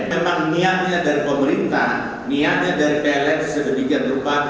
memang niatnya dari pemerintah niatnya dari pln sebegitu berupa